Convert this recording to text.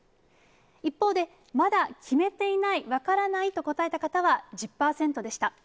一方で、まだ決めていない、分からないと答えた方は１０％でした。